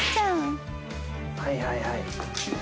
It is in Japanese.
はいはいはい。